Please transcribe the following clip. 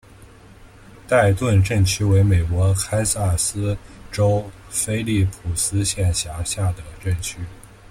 代顿镇区为美国堪萨斯州菲利普斯县辖下的镇区。